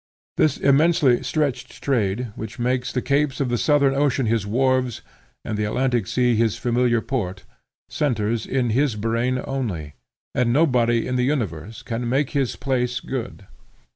This immensely stretched trade, which makes the capes of the Southern Ocean his wharves, and the Atlantic Sea his familiar port, centres in his brain only; and nobody in the universe can make his place good.